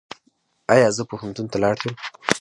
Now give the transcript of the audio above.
ایا زه پوهنتون ته لاړ شم؟